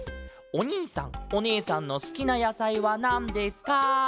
おにいさんおねえさんのすきなやさいはなんですか？」。